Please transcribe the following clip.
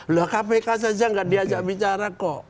loh kpk saja nggak diajak bicara kok